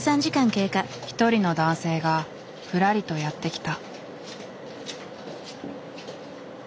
一人の男性がふらりとやって来た。